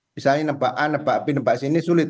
misalnya nebak a nebak b nebak c ini sulit